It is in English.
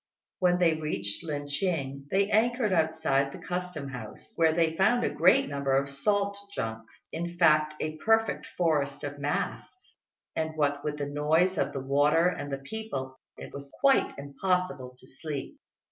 When they reached Lin ch'ing, they anchored outside the Custom House, where they found a great number of salt junks, in fact a perfect forest of masts; and what with the noise of the water and the people it was quite impossible to sleep.